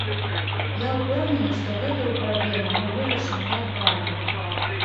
Я ўпэўнены, што гэтую праблему мы вырашым неадкладна.